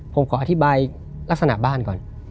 ผมขออธิบายลักษณะบ้านก่อน